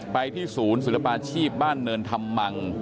ไปที่ศูนย์ศูนย์ประอาชีพบ้านเนินธรรมัง